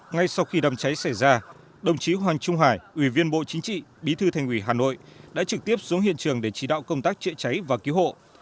ngay sau khi đám cháy xảy ra đồng chí hoàng trung hải ủy viên bộ chính trị bí thư thành ủy hà nội đã trực tiếp xuống hiện trường để chỉ đạo công tác chữa cháy và cứu hộ